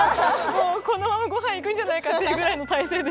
このままご飯行くんじゃないかっていうぐらいの体勢でしたからね。